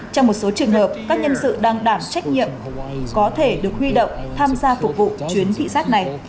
trong một số trường hợp các nhân sự đang đảm trách nhiệm có thể được huy động tham gia phục vụ chuyến thị xác này